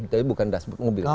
tapi bukan dashboard mobil